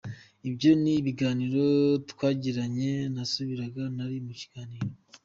Ibyo ni ibiganiro twagiranye, nasubizaga, nari mu kiganiro.